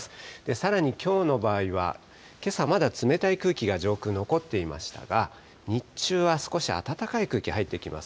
さらにきょうの場合は、けさまだ冷たい空気が上空、残っていましたが、日中は少し暖かい空気入ってきます。